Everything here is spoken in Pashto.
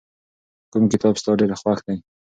کوم کتاب ستا ډېر خوښ دی؟